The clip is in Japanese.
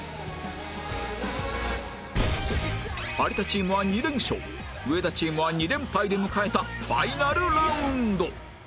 有田チームは２連勝上田チームは２連敗で迎えたファイナルラウンド